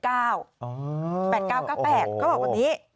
๘๙๙๘ก็บอกวันนี้